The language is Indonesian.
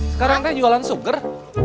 sekarang teh jualan sugar